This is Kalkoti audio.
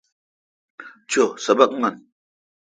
چو سبق من۔